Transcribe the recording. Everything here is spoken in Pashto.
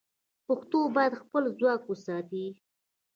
پښتو باید خپل ځواک وساتي.